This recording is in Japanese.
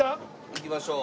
行きましょう。